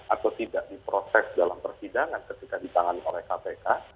atau tidak diproses dalam persidangan ketika ditangani oleh kpk